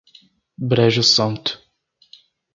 Brejo Santo